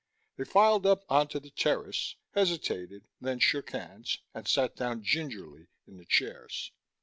They filed up onto the terrace, hesitated, then shook hands, and sat down gingerly in the chairs.